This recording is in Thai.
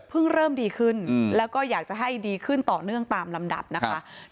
เริ่มดีขึ้นแล้วก็อยากจะให้ดีขึ้นต่อเนื่องตามลำดับนะคะ